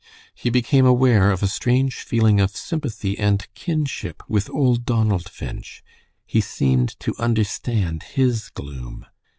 He became aware of a strange feeling of sympathy and kinship with old Donald Finch. He seemed to understand his gloom.